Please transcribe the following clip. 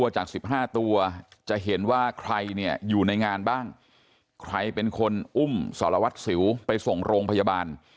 จาก๑๕ตัวจะเห็นว่าใครเนี่ยอยู่ในงานบ้างใครเป็นคนอุ้มสารวัตรสิวไปส่งโรงพยาบาล